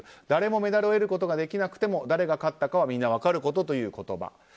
誰もメダルを得ることができなくても誰が勝ったかはみんな分かることという言葉。